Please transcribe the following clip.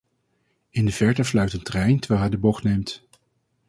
In de verte fluit een trein terwijl hij de bocht neemt.